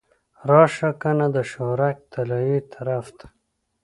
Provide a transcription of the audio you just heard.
راشه کنه د شهرک طلایې طرف ته.